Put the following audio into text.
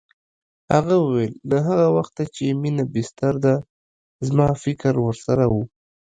هغه وویل له هغه وخته چې مينه بستر ده زما فکر ورسره و